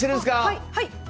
はい！